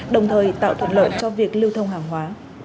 đồng thời tạo thuận lợi cho việc lưu thông hàng hóa